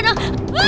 ah mau kabur